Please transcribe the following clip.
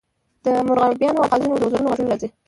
د مرغابیانو او قازونو د وزرونو غږونه راځي